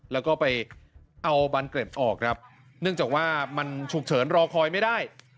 แล้วก็ไปเอาบานเกร็ดออกครับเนื่องจากว่ามันฉุกเฉินรอคอยไม่ได้